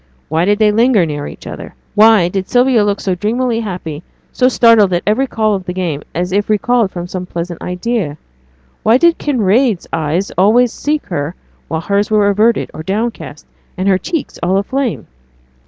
Why did they linger near each other? Why did Sylvia look so dreamily happy, so startled at every call of the game, as if recalled from some pleasant idea? Why did Kinraid's eyes always seek her while hers were averted, or downcast, and her cheeks all aflame?